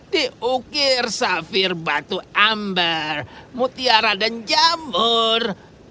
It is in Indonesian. diukir safir batu amber mutiara dan jamur